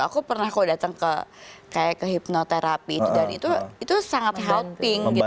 aku pernah kalau datang ke kayak ke hipnoterapi itu dan itu sangat helping gitu